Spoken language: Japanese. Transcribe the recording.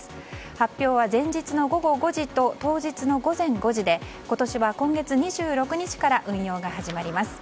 発表は前日の午後５時と当日の午前５時で今年は今月２６日から運用が始まります。